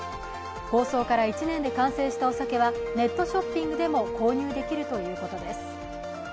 構想から１年で完成したお酒はネットショッピングでも購入できるということです。